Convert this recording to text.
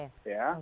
jadi kita harus